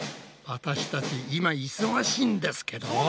私たち今忙しいんですけど。